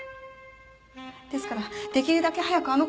ですからできるだけ早くあの子の事。